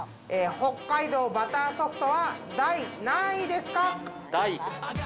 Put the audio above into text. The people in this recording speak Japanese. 北海道バターソフトは第何位ですか？